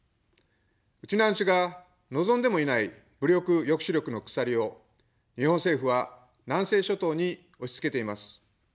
ウチナーンチュが望んでもいない武力抑止力の鎖を日本政府は南西諸島に押しつけています。